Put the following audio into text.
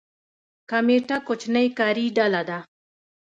کمیټه کوچنۍ کاري ډله ده